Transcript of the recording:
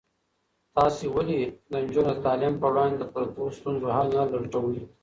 تاسې ولې د نجونو د تعلیم په وړاندې د پرتو ستونزو حل نه لټوئ؟